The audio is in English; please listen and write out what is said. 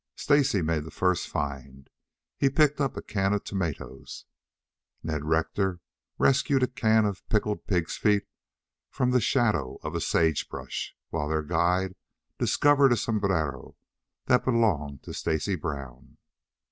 Stacy made the first find. He picked up a can of tomatoes. Ned Rector rescued a can of pickled pigs' feet from the shadow of a sage brush, while their guide discovered a sombrero that belonged to Stacy Brown.